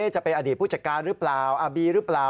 จะเป็นอดีตผู้จัดการหรือเปล่าอาบีหรือเปล่า